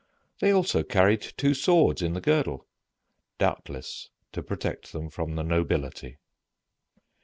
They also carried two swords in the girdle, doubtless to protect them from the nobility.